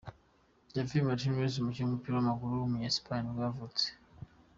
Javi Martínez, umukinnyi w’umupira w’amaguru w’umunya Espagne nibwo yavutse.